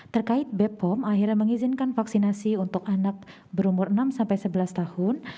terkait bepom akhirnya mengizinkan vaksinasi untuk anak berumur enam sampai sebelas tahun